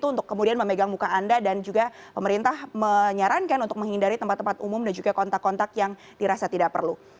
untuk kemudian memegang muka anda dan juga pemerintah menyarankan untuk menghindari tempat tempat umum dan juga kontak kontak yang dirasa tidak perlu